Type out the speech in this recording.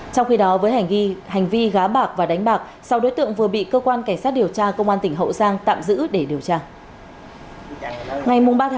trong khi đó với hành vi gá bạc và đánh bạc sáu đối tượng vừa bị cơ quan cảnh sát điều tra công an tp hậu giang tạm giữ để điều tra